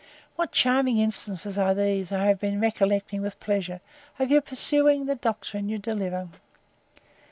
What charming instances are these, I have been recollecting with pleasure, of your pursuing the doctrine you deliver.